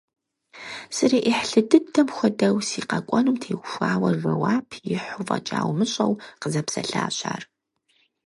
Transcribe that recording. СриӀыхьлы дыдэм хуэдэу, си къэкӀуэнум теухуауэ жэуап ихьу фӀэкӀа умыщӀэну къызэпсэлъащ ар.